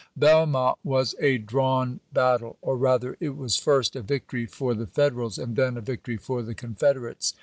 Belmont was a drawn battle ; or rather it was first a \actory for the Fed erals and then a victory for the Confederates.